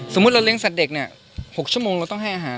สมมุติเราเลี้ยสัตว์เด็กเนี่ย๖ชั่วโมงเราต้องให้อาหาร